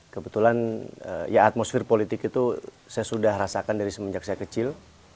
kebetulan ya atmosfer politik itu saya sudah rasakan dari semenjak saya kecil